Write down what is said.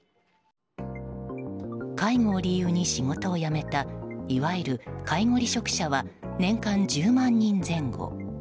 介護を理由に仕事を辞めたいわゆる介護離職者は年間１０万人前後。